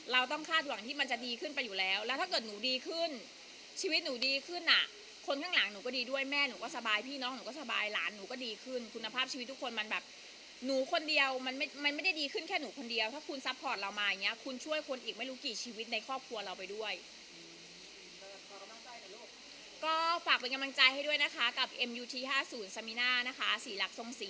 เราต้องคาดหวังที่มันจะดีขึ้นไปอยู่แล้วแล้วถ้าเกิดหนูดีขึ้นชีวิตหนูดีขึ้นอ่ะคนข้างหลังหนูก็ดีด้วยแม่หนูก็สบายพี่น้องหนูก็สบายหลานหนูก็ดีขึ้นคุณภาพชีวิตทุกคนมันแบบหนูคนเดียวมันไม่ได้ดีขึ้นแค่หนูคนเดียวถ้าคุณซัพพอร์ตเรามาอย่างเงี้คุณช่วยคนอีกไม่รู้กี่ชีวิตในครอบครัวเราไปด้วย